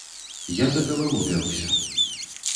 Я за галаву бяруся.